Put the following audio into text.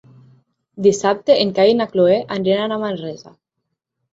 Dissabte en Cai i na Cloè aniran a Manresa.